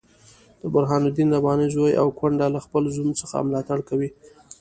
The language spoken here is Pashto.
د برهان الدین رباني زوی او کونډه له خپل زوم څخه ملاتړ کوي.